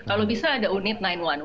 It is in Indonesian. kalau bisa ada unit sembilan ratus sebelas